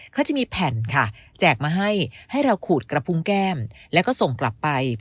เขาจะมีแผ่นค่ะแจกมาให้ให้เราขูดกระพุงแก้มแล้วก็ส่งกลับไป